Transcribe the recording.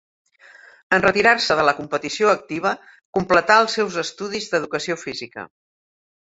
En retirar-se de la competició activa completà els seus estudis d'Educació física.